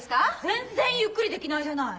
全然ゆっくりできないじゃない。